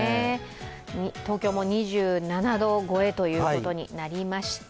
東京も２７度超えということになりました。